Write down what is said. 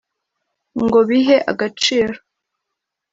Ngo bihe agaciro